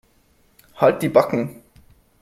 Halt die Backen.